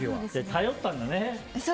頼ったんだね。